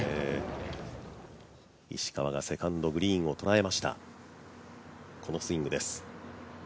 石川がセカンド、グリーンをとらえました、このスイングです。